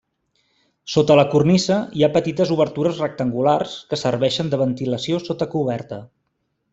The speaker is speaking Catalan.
Sota la cornisa hi ha petites obertures rectangulars que serveixen de ventilació sota coberta.